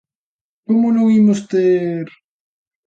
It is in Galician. Como non imos ter...